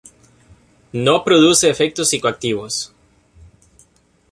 No produce efectos psicoactivos.